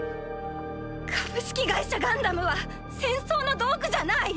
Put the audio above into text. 「株式会社ガンダム」は戦争の道具じゃない！